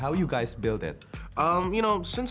bagaimana kalian membangunnya